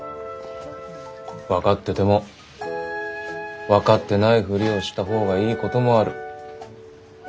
分かってても分かってないふりをした方がいいこともある。